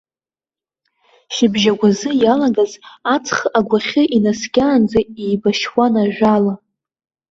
Шьыбжьагәазы иалагаз, аҵх агәахьы инаскьаанӡа еибашьуан ажәала.